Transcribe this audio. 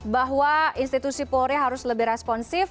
bahwa institusi polri harus lebih responsif